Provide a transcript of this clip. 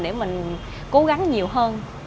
để mình cố gắng nhiều hơn